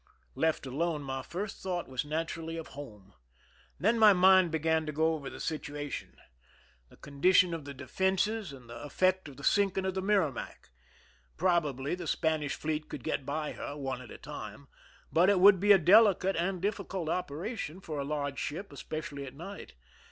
Left alone, my first thought was naturally of home. Then my mind began to go over the situa tion—the condition of the defenses, and the effect of the sinking of the Merrimac. Probably the Spanish fleet could get by her, one at a time ; but it would be a delicate and difficult operation for a large ship, especially at night.